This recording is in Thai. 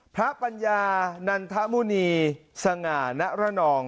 ปัญญานันทมุณีสง่าณระนอง